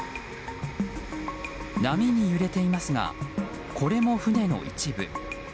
波に揺れていますがこれも船の一部。